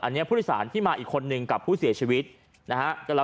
อันนี้ผู้โดยสารที่มาอีกคนนึงกับผู้เสียชีวิตนะฮะ